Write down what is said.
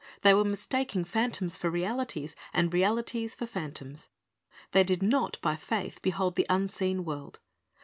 They were mistaking phantoms for realities, and realities for phantoms. They did not by faith behold the unseen world.